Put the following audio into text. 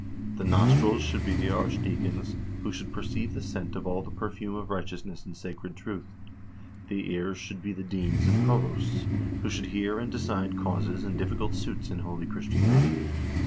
The nostrils should be the archdeacons, who should perceive the scent of all the perfume of righteousness and sacred truth. The ears should be the deans and provosts, who should hear and decide causes and difficult suits in holy Christianity.